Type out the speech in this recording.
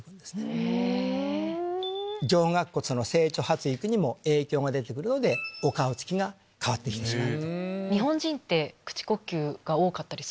上顎骨の成長・発育にも影響が出て来るのでお顔つきが変わって来てしまう。